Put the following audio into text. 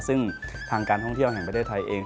ซึ่งทางการท่องเที่ยวแห่งประเทศไทยเอง